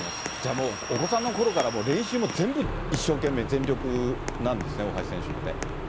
もう、お子さんのころから、練習も全部一生懸命、全力なんですね、大橋選手って。